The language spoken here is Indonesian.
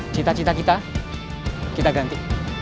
cita cita kita kita ganti